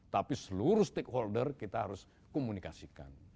tapi seluruh stakeholder kita harus komunikasikan